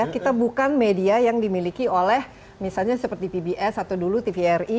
kita bukan media yang dimiliki oleh misalnya seperti pbs atau dulu tvri